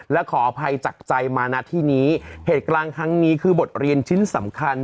และขออภัยจากใจมาณที่นี้เหตุกลางครั้งนี้คือบทเรียนชิ้นสำคัญ